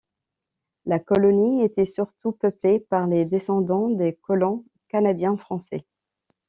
La colonie était surtout peuplée par les descendants des colons Canadien Français.